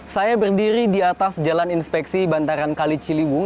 saya berdiri di atas jalan inspeksi bantaran kali ciliwung